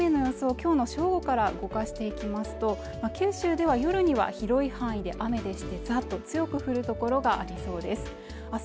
今日の正午から動かしていきますと九州では夜には広い範囲で雨でしてざっと強く降るところがありそうです